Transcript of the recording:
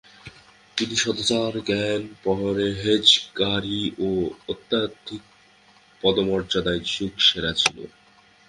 তিনি সদাচার, জ্ঞান পরহেজগারি ও আধ্যাত্মিক পদমর্যাদায় যুগ সেরা ছিল।